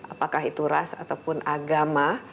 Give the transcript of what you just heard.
apakah itu ras ataupun agama